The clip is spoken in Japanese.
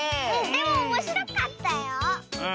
でもおもしろかったよ。